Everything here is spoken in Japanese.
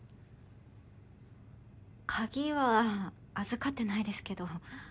鍵は預かってないですけど。